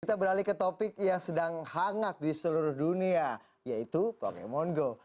kita beralih ke topik yang sedang hangat di seluruh dunia yaitu pokemon go